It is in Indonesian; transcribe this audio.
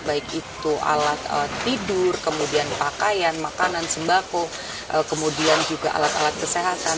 baik itu alat tidur kemudian pakaian makanan sembako kemudian juga alat alat kesehatan